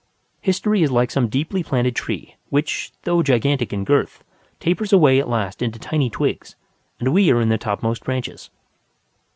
History is like some deeply planted tree which, though gigantic in girth, tapers away at last into tiny twigs; and we are in the topmost branches.